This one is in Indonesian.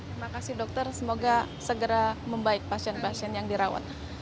terima kasih dokter semoga segera membaik pasien pasien yang dirawat